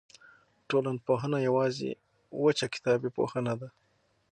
ټولنپوهنه یوازې وچه کتابي پوهه نه ده.